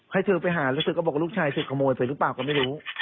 ให้เธอไปหาแล้วเธอก็บอกลูกชายเธอขโมยเธอหรือเปล่าก็ไม่รู้